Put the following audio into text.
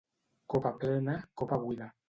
Copa plena, copa buida.